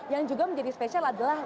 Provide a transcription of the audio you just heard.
yang juga menjadi spesial adalah